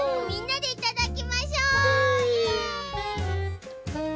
みんなでいただきましょ！